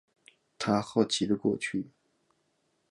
他好奇的过去